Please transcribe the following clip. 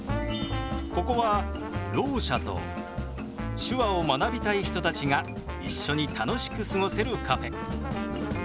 ここはろう者と手話を学びたい人たちが一緒に楽しく過ごせるカフェ。